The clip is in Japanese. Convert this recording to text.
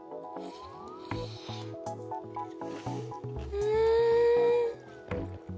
うん。